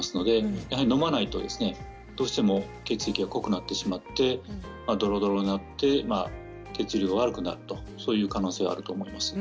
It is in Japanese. やはり、飲まないとどうしても血液が濃くなってしまってどろどろになって血流が悪くなるという可能性があると思います。